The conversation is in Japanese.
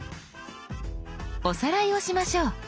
おさらいをしましょう。